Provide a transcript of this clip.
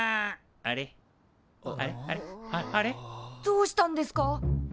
どうしたんですか？